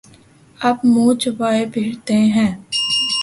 اب منہ چھپائے پھرتے ہیں۔